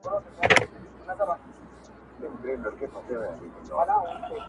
د هر وګړي زړه ټکور وو اوس به وي او کنه٫